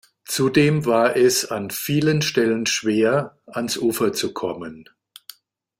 Zudem war es an vielen Stellen schwer, ans Ufer zu kommen.